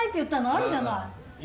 あるじゃない。